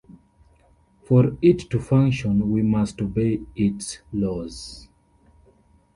For it to function we must obey its laws.